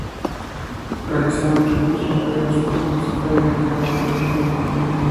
Realizaban ritmos raperos con música delicada y letras de gran profundidad.